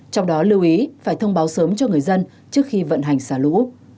trong đó lưu ý phải thông báo sớm cho người dân trước khi vận hành xả lũ